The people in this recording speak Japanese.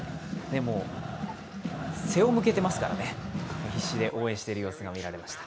背を向けてますからね、必死で応援している様子が見られました。